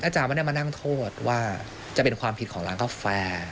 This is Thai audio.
อาจารย์ไม่ได้มานั่งโทษว่าจะเป็นความผิดของร้านกาแฟ